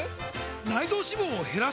内臓脂肪を減らす！？